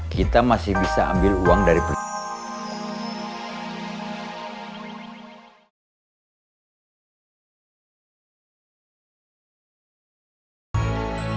kita masih bisa ambil uang dari perusahaan